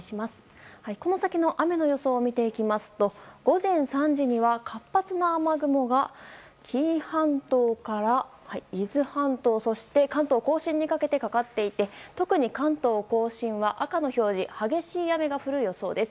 この先の雨の予想を見ていきますと午前３時には、活発な雨雲が紀伊半島から伊豆半島そして関東・甲信にかけてかかっていて特に関東・甲信は赤の表示激しい雨が降る予想です。